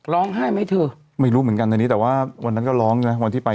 ร้องไห้ไหมเธอไม่รู้เหมือนกันในนี้แต่ว่าวันนั้นก็ร้องนะวันที่ไป